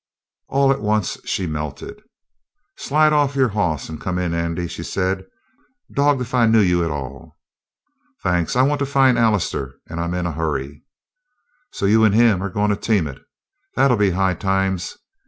All at once she melted. "Slide off your hoss and come in, Andy," she said. "Dogged if I knew you at all!" "Thanks. I want to find Allister and I'm in a hurry." "So you and him are goin' to team it? That'll be high times!